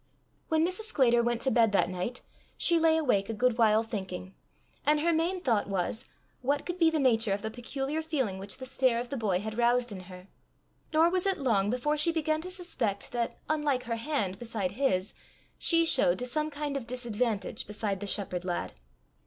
When Mrs. Sclater went to bed that night she lay awake a good while thinking, and her main thought was what could be the nature of the peculiar feeling which the stare of the boy had roused in her? Nor was it long before she began to suspect that, unlike her hand beside his, she showed to some kind of disadvantage beside the shepherd lad.